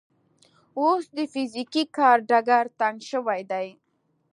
اوس د فزیکي کار ډګر تنګ شوی دی.